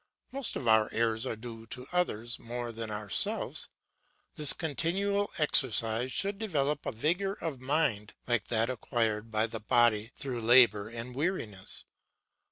Most of our errors are due to others more than ourselves. This continual exercise should develop a vigour of mind like that acquired by the body through labour and weariness.